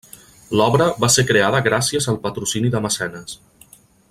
L'obra va ser creada gràcies al patrocini de Mecenes.